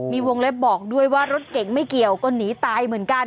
มีวงเล็บบอกด้วยว่ารถเก่งไม่เกี่ยวก็หนีตายเหมือนกัน